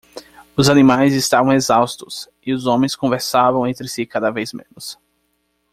Os animais estavam exaustos? e os homens conversavam entre si cada vez menos.